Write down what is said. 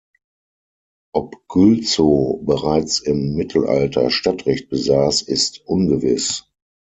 Ob Gülzow bereits im Mittelalter Stadtrecht besaß, ist ungewiss.